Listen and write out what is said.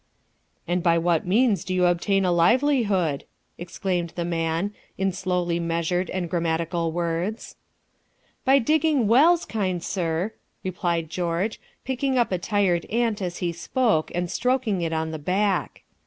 "And by what means do you obtain a livelihood?" exclaimed the man, in slowly measured and grammatical words. "By digging wells, kind sir," replied George, picking up a tired ant as he spoke and stroking it on the back.